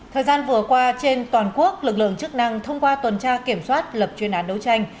thời gian vừa qua trên toàn quốc lực lượng chức năng thông qua tuần tra kiểm soát lập chuyên án đấu tranh